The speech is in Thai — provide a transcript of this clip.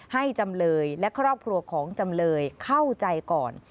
จำเลยและครอบครัวของจำเลยเข้าใจก่อน